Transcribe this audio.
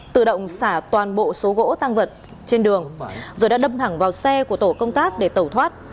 tự động xả toàn bộ số gỗ tăng vật trên đường rồi đã đâm thẳng vào xe của tổ công tác để tẩu thoát